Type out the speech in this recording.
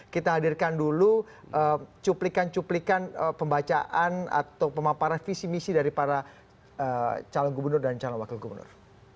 kita hadirkan dulu cuplikan cuplikan pembacaan atau pemaparan visi misi dari para calon gubernur dan calon wakil gubernur